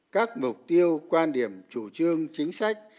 các mục tiêu quan điểm chủ trương chính sách